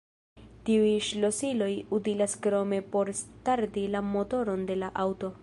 Tiuj ŝlosiloj utilas krome por starti la motoron de la aŭto.